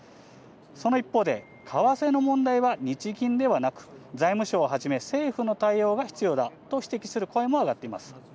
その一方で、為替の問題は日銀ではなく、財務省をはじめ、政府の対応が必要だと指摘する声も上がっています。